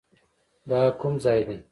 دا کوم ځای دی؟